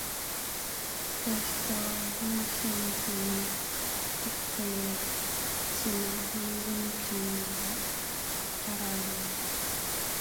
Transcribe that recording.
벌써 화신상회 앞을 지나 황금정으로 달아난다.